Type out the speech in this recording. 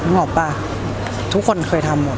นึกออกปะทุกคนเคยทำหมดฯ